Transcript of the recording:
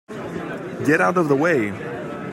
Get out of the way!